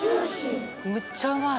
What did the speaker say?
むっちゃうまい。